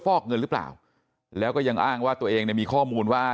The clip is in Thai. ฟอกเงินหรือเปล่าแล้วก็ยังอ้างว่าตัวเองเนี่ยมีข้อมูลว่า